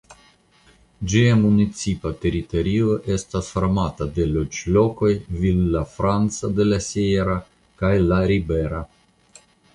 Ĝia municipa teritorio estas formata de loĝlokoj Villafranca de la Sierra kaj La Ribera.